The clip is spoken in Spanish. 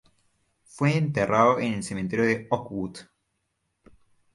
Fue enterrado en el Cementerio de Oakwood.